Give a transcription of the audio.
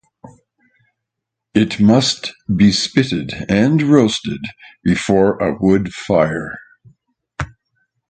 It must be spitted and roasted before a wood fire.